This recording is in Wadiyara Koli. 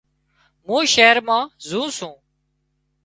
مُون شهر مان زون سُون